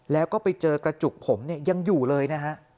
แล้วก็ไปเจอกระจุกผมยังอยู่เลยนะฮะ